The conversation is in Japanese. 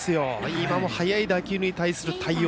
今も速い打球に対する対応。